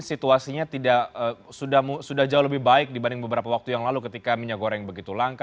situasinya sudah jauh lebih baik dibanding beberapa waktu yang lalu ketika minyak goreng begitu langka